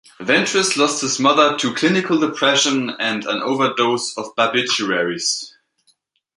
Ventris lost his mother to clinical depression and an overdose of barbiturates.